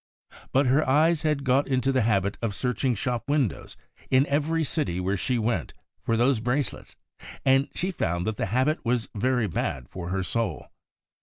But her eyes had got into the habit of searching shop windows in every city where she went for those brace lets, and she found that the habit w'as very bad for her soul.